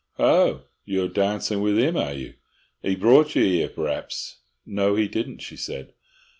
"Ho, you're darncin' with 'im, are you? 'E brought you 'ere, p'r'aps?" "No, he didn't," she said.